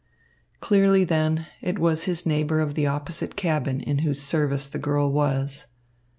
Clearly, then, it was his neighbour of the opposite cabin in whose service the girl was.